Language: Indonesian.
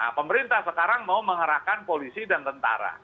nah pemerintah sekarang mau mengerahkan polisi dan tentara